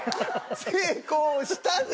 成功したで。